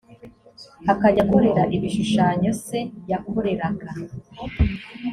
akajya akorera ibishushanyo se yakoreraga